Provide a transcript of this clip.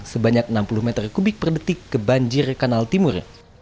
sebanyak enam puluh meter kubik per detik ke banjir kanal timur